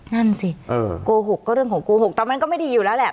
นั่นสิโกหกก็เรื่องของโกหกแต่มันก็ไม่ดีอยู่แล้วแหละ